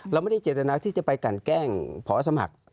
เราไม่ได้เจตนาที่จะไปกันแกล้งพอสมัคร